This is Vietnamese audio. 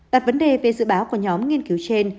đặt vấn đề về dự báo của nhóm nghiên cứu trên